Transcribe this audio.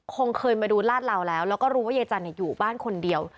คงเคยมาดูลาดเหลาแล้วแล้วก็รู้ว่ายายจันทร์อยู่บ้านคนเดียว